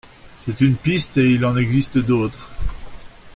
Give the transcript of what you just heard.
C’est une piste et il en existe d’autres.